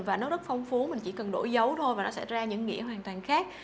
và nó rất phong phú mình chỉ cần đổi dấu thôi và nó sẽ ra những nghĩa hoàn toàn khác